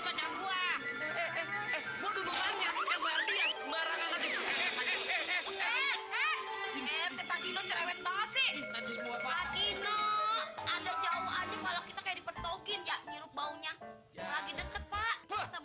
pak kino ada jauh aja kalau kita kayak di petokin ya ngirup baunya lagi deket pak